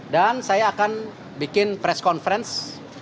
dan saya akan bikin press conference